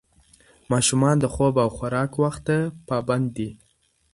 ماشومان د خوب او خوراک وخت ته پابند دي.